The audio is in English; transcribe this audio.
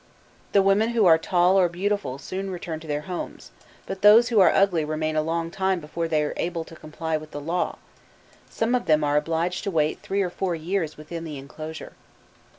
The women who are tall or beautiful soon return to their homes, but those who are ugly remain a long time before they are able to comply with the law; some of them are obliged to wait three or four years within the enclosure."